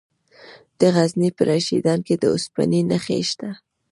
د غزني په رشیدان کې د اوسپنې نښې شته.